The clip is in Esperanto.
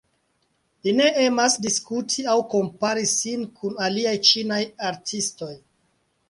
Li ne emas diskuti aŭ kompari sin kun aliaj ĉinaj artistoj.